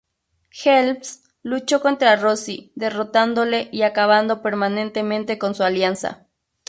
Helms luchó contra Rosey, derrotándole y acabando permanentemente con su alianza.